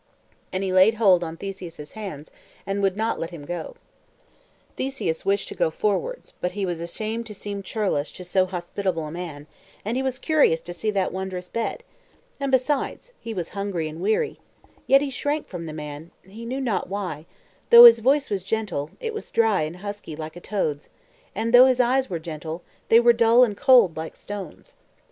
And he laid hold on Theseus' hands, and would not let him go. [Illustration: NIAGARA FALLS] Theseus wished to go forwards: but he was ashamed to seem churlish to so hospitable a man; and he was curious to see that wondrous bed; and beside, he was hungry and weary: yet he shrank from the man, he knew not why; for, though his voice was gentle, it was dry and husky like a toad's; and though his eyes were gentle, they were dull and cold like stones.